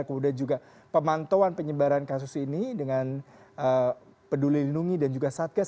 kemudian juga pemantauan penyebaran kasus ini dengan peduli lindungi dan juga satgas